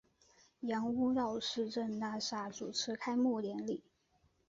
杨屋道市政大厦主持开幕典礼。